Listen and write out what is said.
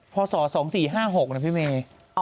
พอส่อ๒๔๕๖นะพี่เมย์